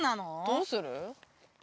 どうする？